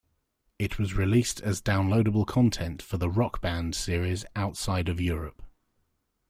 It was released as downloadable content for the "Rock Band" series outside of Europe.